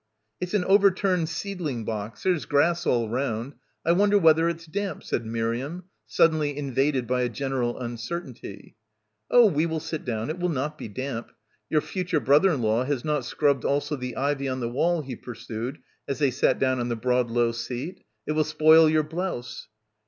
"It's an overturned seedling box. There's grass all around. I wonder whether it's damp," said Miriam, suddenly invaded by a general un certainty. 69 PILGRIMAGE "Oh, we will sit down, it will not be damp. Your future brother in law has not scrubbed also the ivy on the wall," he pursued as they sat down on the broad low seat, "it will spoil your blouse."